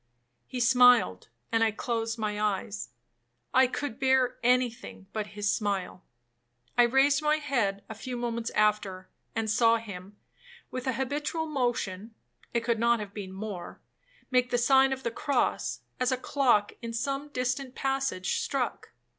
he smiled, and I closed my eyes. I could bear any thing but his smile. I raised my head a few moments after, and saw him, with an habitual motion, (it could not have been more), make the sign of the cross, as a clock in some distant passage struck.